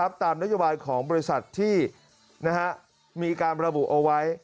ตามนโยบายของบริษัทที่มีการระบุเอาไว้